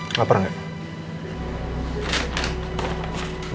untuk apa lu gakhamid